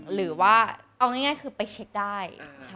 หรือว่าเอาง่ายคือไปเช็คได้